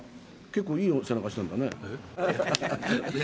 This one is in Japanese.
結構いい背中してんだね。